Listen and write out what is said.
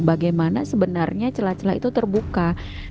bagaimana sebenarnya celah celah itu terbuka